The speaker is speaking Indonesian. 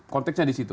konteksnya di situ